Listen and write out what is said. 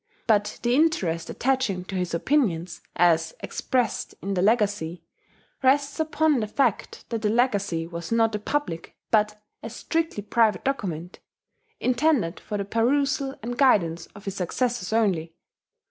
But the interest attaching to his opinions, as expressed in the Legacy, rests upon the fact that the Legacy was not a public, but a strictly private document, intended for the perusal and guidance of his successors only.